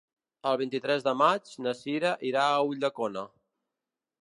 El vint-i-tres de maig na Sira irà a Ulldecona.